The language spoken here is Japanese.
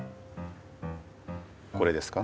これですか？